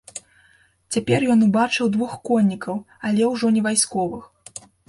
Цяпер ён убачыў двух коннікаў, але ўжо не вайсковых.